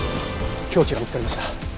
凶器が見つかりました。